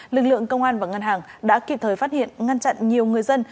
lực lượng công an và ngân hàng đã kịp thời phát hiện ngăn chặn nhiều người dân